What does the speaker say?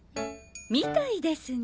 みたいですね。